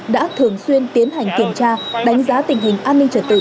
đã thường xuyên tiến hành kiểm tra đánh giá tình hình an ninh trở tự